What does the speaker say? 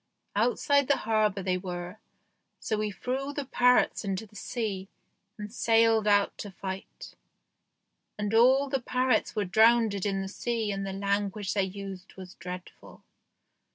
Outside the harbour they were, so we threw the parrots into the sea and sailed out to fight. And all the parrots were drownded in the sea and the language they used was dreadful."